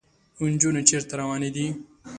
انجونې چېرته روانې دي ؟